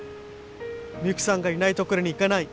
ミユキさんがいない所に行かない。